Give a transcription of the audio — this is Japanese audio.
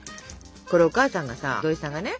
これお母さんがさ土井さんがね